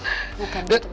mas sudah rabun